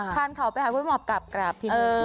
ขางเขาไปหาคุณหมอบกราบที่นี่